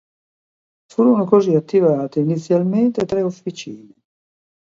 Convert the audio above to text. Furono così attivate inizialmente tre officine.